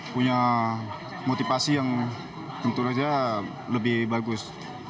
punya motivasi yang tentu saja lebih bagus